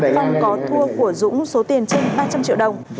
phong có thua của dũng số tiền trên ba trăm linh triệu đồng